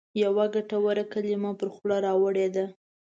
یوه ګټوره کلمه پر خوله راوړې ده.